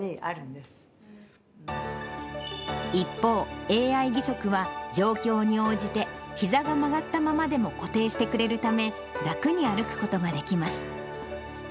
一方、ＡＩ義足は、状況に応じて、ひざが曲がったままでも固定してくれるため、楽に歩くことができます。